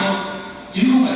uống khoảng nước thôi